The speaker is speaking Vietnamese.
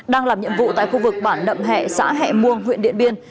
đang làm nhiệm vụ tại khu vực bản nậm hẹ xã hẹ muông huyện điện biên